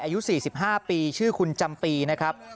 อายุ๔๕ปีชื่อคุณจำปีนะครับ